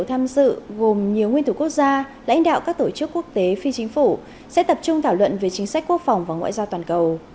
tham dự gồm nhiều nguyên thủ quốc gia lãnh đạo các tổ chức quốc tế phi chính phủ sẽ tập trung thảo luận về chính sách quốc phòng và ngoại giao toàn cầu